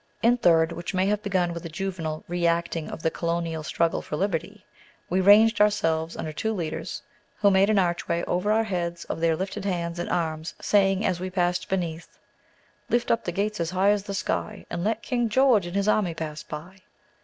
In a third, which may have begun with a juvenile reacting of the Colonial struggle for liberty, we ranged ourselves under two leaders, who made an archway over our heads of their lifted hands and arms, saying, as we passed beneath, "Lift up the gates as high as the sky, And let King George and his army pass by!"